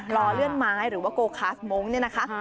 รอเลื่อนไม้หรือว่าโกคาสมงค์เนี่ยนะคะ